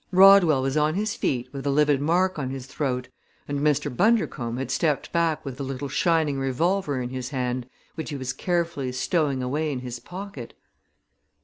Rodwell was on his feet with a livid mark on his throat, and Mr. Bundercombe had stepped back with a little shining revolver in his hand which he was carefully stowing away in his pocket.